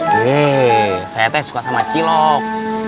heee saya tuh suka sama cilok